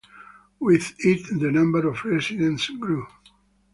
With it the number of residents grew.